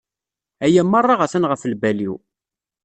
Aya merra atan ɣef lbal-iw.